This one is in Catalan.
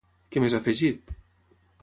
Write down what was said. Què més ha afegit?